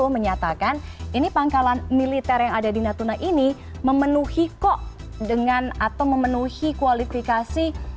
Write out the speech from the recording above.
menyatakan ini pangkalan militer yang ada di natuna ini memenuhi kok dengan atau memenuhi kualifikasi